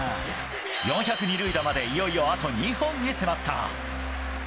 ４００二塁打までいよいよ、あと２本に迫った。